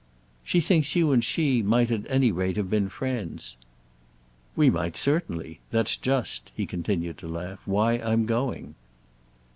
"She thinks you and she might at any rate have been friends." "We might certainly. That's just"—he continued to laugh—"why I'm going."